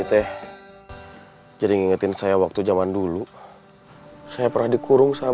bapak saya di kamar mandi bang kau masih ingat dulu bapak pernah bercerita tentang